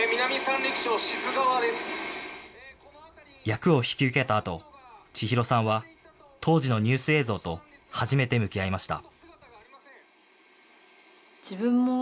役を引き受けたあと、千裕さんは、当時のニュース映像と初めて向き合いました。